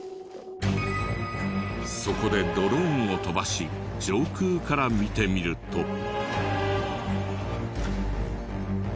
そこでドローンを飛ばし上空から見てみると。